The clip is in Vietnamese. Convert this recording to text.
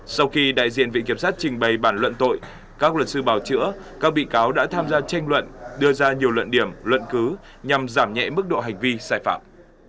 sau khi đại diện vị kiểm sát trình bày bản luận tội các luật sư bảo chữa các bị cáo đã tham gia tranh luận đưa ra nhiều luận điểm luận cứ nhằm giảm nhẹ mức độ hành vi sai phạm